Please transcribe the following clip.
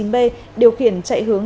hai mươi chín b điều khiển chạy hướng